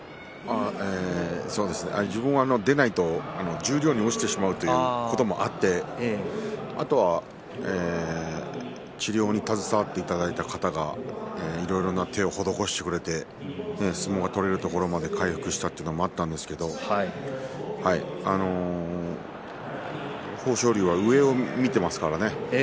自分は出ないと十両に落ちてしまうということもあって、あとは治療に携わっていただいた方々が、いろいろと手を施してくれて相撲が取れるところまで回復したということもあったんですが豊昇龍は上を見ていますからね。